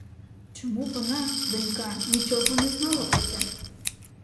Чому вона, донька, нічого, не знала про це?